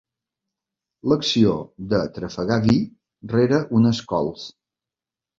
L'acció de trafegar vi rere unes cols.